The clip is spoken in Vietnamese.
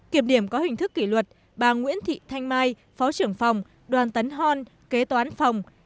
kiểm điểm có hình thức kỷ luật bà nguyễn thị thanh mai phó trưởng phòng đoàn tấn hon kế toán phòng